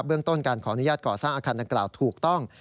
เรื่องต้นการขออนุญาตก่อสร้างอาคารดังกล่าวถูกต้อง